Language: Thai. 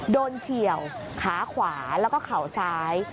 เฉียวขาขวาแล้วก็เข่าซ้าย